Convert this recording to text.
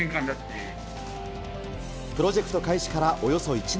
プロジェクト開始からおよそ１年。